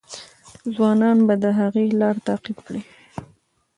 ځوانان به د هغې لار تعقیب کړي.